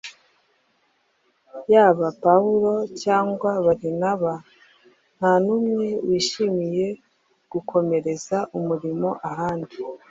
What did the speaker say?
yaba Pawulo cyangwa Barinaba nta n’umwe wishimiye gukomereza umurimo ahandi